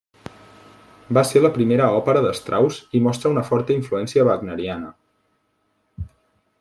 Va ser la primera òpera de Strauss i mostra una forta influència wagneriana.